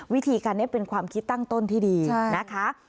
วิธีการนี้เป็นความคิดตั้งต้นที่ดีนะคะ